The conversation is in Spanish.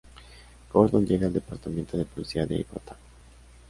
Gordon llega al Departamento de Policía de Gotham.